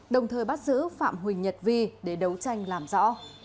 đồng thời bắt giữ phạm huỳnh nhật vi để đấu tranh làm rõ